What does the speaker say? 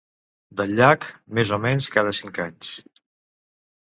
Del llac, més o menys cada cinc anys.